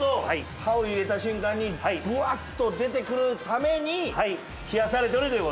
歯を入れた瞬間にブワッと出てくるために冷やされているという事。